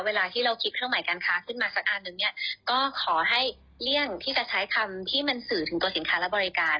เวลาที่เราคิดเครื่องหมายการค้าขึ้นมาสักอันหนึ่งเนี่ยก็ขอให้เลี่ยงที่จะใช้คำที่มันสื่อถึงตัวสินค้าและบริการ